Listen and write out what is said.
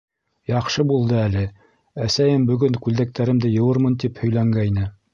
— Яҡшы булды әле, әсәйем бөгөн күлдәктәремде йыуырмын тип һөйләнгәйне.